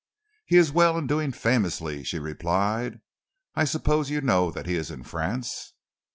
"He is well and doing famously," she replied. "I suppose you know that he is in France?"